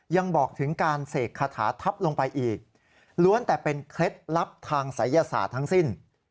ยังบอกถึงการเสกคาถาทับลงไปอีกล้วนแต่เป็นเคล็ดลับทางศัยศาสตร์ทั้งสิ้น